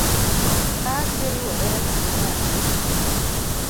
Ka giriwore kamoro achie